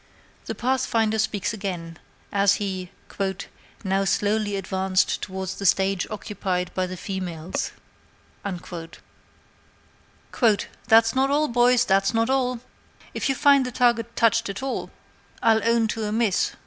The Pathfinder speaks again, as he "now slowly advances towards the stage occupied by the females": "'That's not all, boys, that's not all; if you find the target touched at all, I'll own to a miss.